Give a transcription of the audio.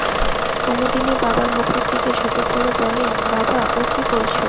কুমুদিনী বাবার মুখের দিকে ঝুঁকে পড়ে বলে, বাবা, ও কী বলছ?